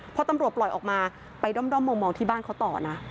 พอตำรวจปล่อยออกมาไปด้อมมองที่บ้านเขาต่อนะ